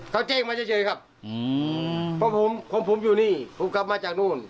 เขาแจ้งมาเฉยครับเพราะผมของผมอยู่นี่ผมกลับมาจากนู่น